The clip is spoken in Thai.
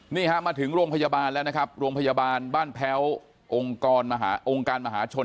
นี่ฮะมาถึงโรงพยาบาลแล้วนะครับโรงพยาบาลบ้านแพ้วองค์กรมการมหาชน